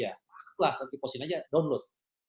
masuklah ke keepozin aja download